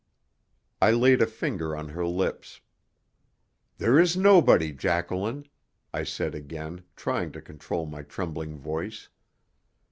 I laid a finger on her lips. "There is nobody, Jacqueline," I said again, trying to control my trembling voice.